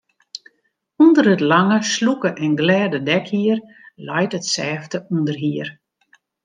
Under it lange, slûke en glêde dekhier leit it sêfte ûnderhier.